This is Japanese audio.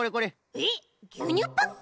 えっぎゅうにゅうパック？